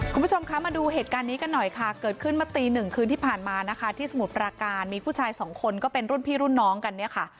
คุณผู้ชมคะมาดูเหตุการณ์นี้กันหน่อยค่ะเกิดขึ้นมาตีหนึ่งคืนที่ผ่านมานะคะที่สมุทรปราการมีผู้ชายสองคนก็เป็นรุ่นพี่รุ่นน้องกันเนี่ยค่ะ